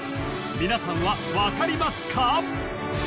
皆さんは分かりますか？